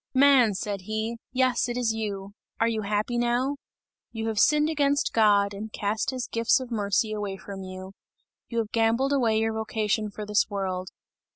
"Man," said he, "yes, it is you! Are you happy now? You have sinned against God, and cast his gifts of mercy away from you; you have gambled away your vocation for this world.